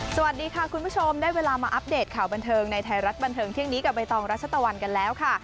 สวัสดีค่ะคุณผู้ชมได้เวลามาอัปเดตข่าวบันเทิงในไทยรัฐบันเทิงเที่ยงนี้กับใบตองรัชตะวันกันแล้วค่ะ